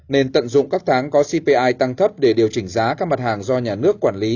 nên tận dụng các tháng có cpi tăng thấp để điều chỉnh giá các mặt hàng do nhà nước quản lý